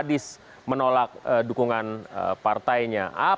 dan dia merasa lebih tergantung pada kebenaran penelitiannya kebenaran bapak sukicaya purnama